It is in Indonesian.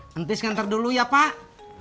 nanti saya gantar dulu ya pak